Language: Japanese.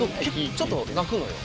ちょっと鳴くのよ。